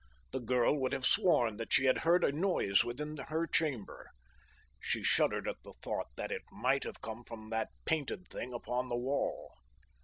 The girl would have sworn that she had heard a noise within her chamber. She shuddered at the thought that it might have come from that painted thing upon the wall.